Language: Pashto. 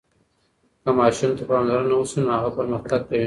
که ماشوم ته پاملرنه وسي نو هغه پرمختګ کوي.